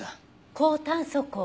高炭素鋼。